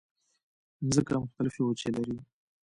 مځکه مختلفې وچې لري.